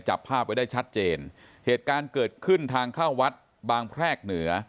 จับภาพไว้ได้ชัดเจนเหตุการณ์เกิดขึ้นทางเข้าวัดบางแพรกเหนือ